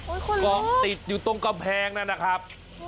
โอ้ยคนลุกกองติดอยู่ตรงกระแพงนั้นนะครับ